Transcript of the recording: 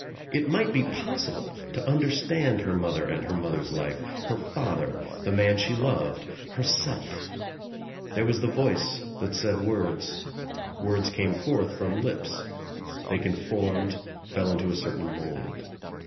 It might be possible to understand her mother and her mother's life, her father, the man she loved, herself. There was the voice that said words. Words came forth from lips. They conformed, fell into a certain mold.